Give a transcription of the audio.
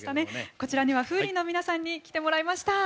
こちらにはＦｏｏｒｉｎの皆さんに来てもらいました。